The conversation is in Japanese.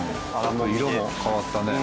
色も変わったね。